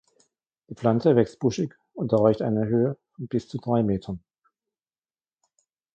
Die Pflanze wächst buschig und erreicht eine Höhe von bis zu drei Metern.